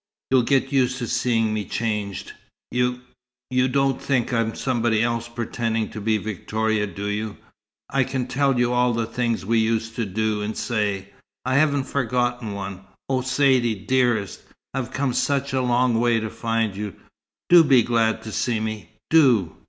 You'll get used to seeing me changed. You you don't think I'm somebody else pretending to be Victoria, do you? I can tell you all the things we used to do and say. I haven't forgotten one. Oh, Saidee, dearest, I've come such a long way to find you. Do be glad to see me do!"